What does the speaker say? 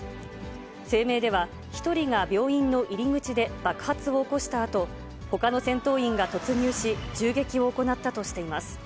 声明では、１人が病院の入り口で爆発を起こしたあと、ほかの戦闘員が突入し、銃撃を行ったとしています。